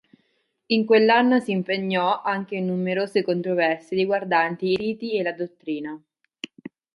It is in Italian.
In quell’anno si impegnò anche in numerose controversie riguardanti i riti e la dottrina.